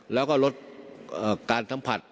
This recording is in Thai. แล้วก็ลดการสัมผัส